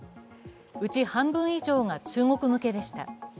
うち半分以上が中国向けでした。